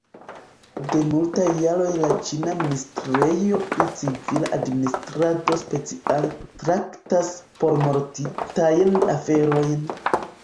De multaj jaroj la ĉina ministrejo pri civila administrado speciale traktas pormortintajn aferojn.